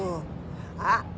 あっ！